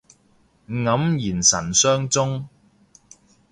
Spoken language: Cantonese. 黯然神傷中